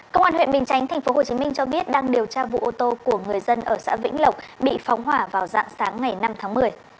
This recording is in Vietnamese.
công an huyện bình chánh tp hcm cho biết đang điều tra vụ ô tô của người dân ở xã vĩnh lộc bị phóng hỏa vào dạng sáng ngày năm tháng một mươi